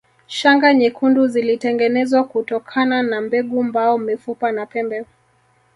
Shanga nyekundu zilitengenezwa kutokana na mbegu mbao mifupa na pembe